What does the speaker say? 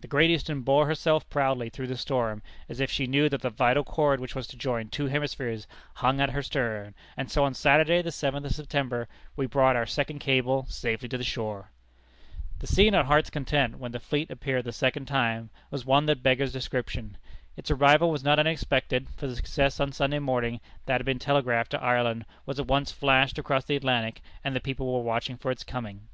The Great Eastern bore herself proudly through the storm, as if she knew that the vital cord which was to join two hemispheres, hung at her stern; and so on Saturday, the seventh of September, we brought our second cable safely to the shore." The scene at Heart's Content, when the fleet appeared the second time, was one that beggars description. Its arrival was not unexpected, for the success on Sunday morning, that had been telegraphed to Ireland, was at once flashed across the Atlantic, and the people were watching for its coming.